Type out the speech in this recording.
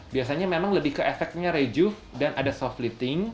biasanya memang lebih ke efeknya rejuve dan ada soft lifting